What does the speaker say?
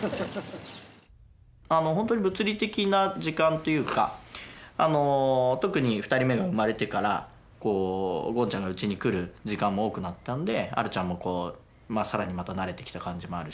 本当に物理的な時間というか特に２人目が生まれてからゴンちゃんがうちに来る時間も多くなったんであるちゃんも更にまた慣れてきた感じもあるし。